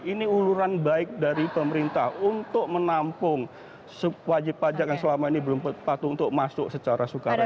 ini uluran baik dari pemerintah untuk menampung wajib pajak yang selama ini belum patuh untuk masuk secara sukarela